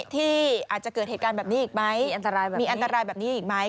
ที่อาจจะเกิดเหตุการณ์แบบนี้อีกไหมมีอันตรายแบบนี้อีกไหม